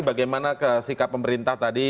bagaimana sikap pemerintah tadi